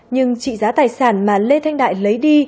nhưng trị giá tài sản mà lê thanh đại lấy đi